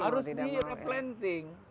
harus di replanting